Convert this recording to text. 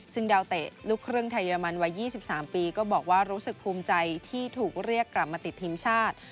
ซึ่งดาวเตะลูกครึ่งไทยเรมันวัย๒๓ปีก็บอกว่ารู้สึกภูมิใจที่ถูกเรียกกลับมาติดทีมชาติ